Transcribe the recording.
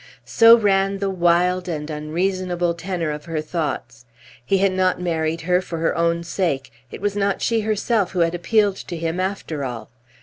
So ran the wild and unreasonable tenor of her thoughts. He had not married her for her own sake; it was not she herself who had appealed to him, after all.